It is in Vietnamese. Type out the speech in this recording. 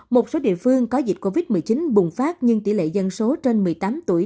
một số địa phương có dịch covid một mươi chín bùng phát nhưng tỷ lệ dân số trên một mươi tám tuổi